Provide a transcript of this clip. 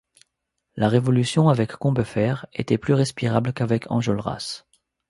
La révolution avec Combeferre était plus respirable qu’avec Enjolras.